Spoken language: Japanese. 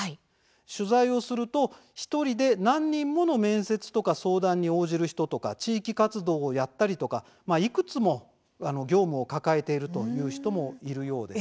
取材をすると１人で何人もの面接や相談に応じる人や地域活動をやったりといくつもの業務を抱えている人がいるようなんです。